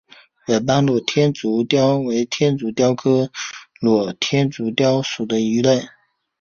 尾斑裸天竺鲷为天竺鲷科裸天竺鲷属的鱼类。